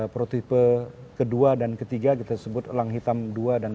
protipe kedua dan ketiga kita sebut elang hitam dua dan tiga